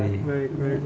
baik baik baik